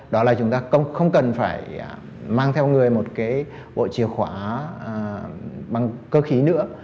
đó là chúng ta không cần phải mang theo người một cái bộ chìa khóa bằng cơ khí nữa